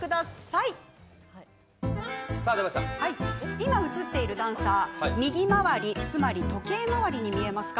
今、映っているダンサーは右回りつまり時計回りに見えますか？